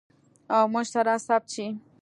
او موږ سره ثبت شي.